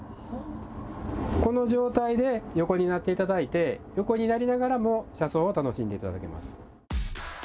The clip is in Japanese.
この状態で横になって頂いて横になりながらも車窓を楽しんで頂けます。